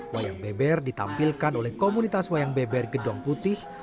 wayang beber ditampilkan oleh komunitas wayang beber gedong putih